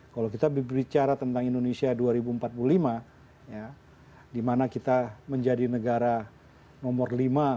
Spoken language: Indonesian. kalau kita bicara tentang indonesia dua ribu empat puluh lima di mana kita menjadi negara nomor lima